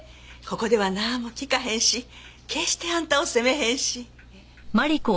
ここではなんも聞かへんし決してあんたを責めへんし。